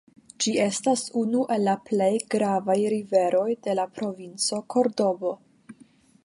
Ĝi estas unu el la plej gravaj riveroj de la provinco Kordobo.